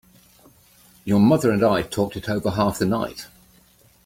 Your mother and I talked it over half the night.